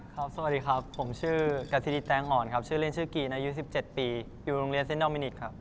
สวัสดีครับผมชื่อกัสซิลิแตงอ่อนครับชื่อเล่นชื่อกีนอายุ๑๗ปีอยู่โรงเรียนเซ็นดอลมินิกครับ